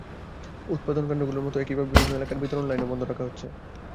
উৎপাদনকেন্দ্রগুলোর মতো একইভাবে বিভিন্ন এলাকার বিতরণ লাইনও বন্ধ রাখা হচ্ছে।